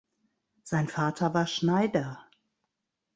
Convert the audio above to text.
Sein Vater war Schneider.